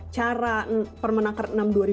cara permenaker enam dua ribu dua